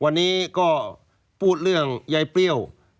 วันนี้ก็พูดเรื่องยายเปรี้ยว